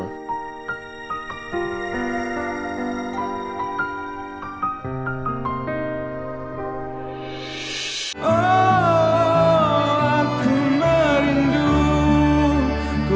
oh aku merindu